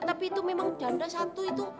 tapi itu memang janda satu itu